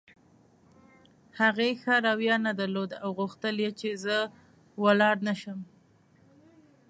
هغې ښه رویه نه درلوده او غوښتل یې چې زه ولاړ نه شم.